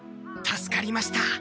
助かりました。